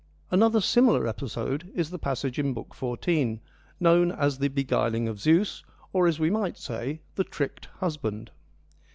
Another similar episode is the passage in Book 14, THE IONIANS AND HESIOD 21 known as ' the beguiling of . Zeus/ or, as we might say, ' the tricked husband.'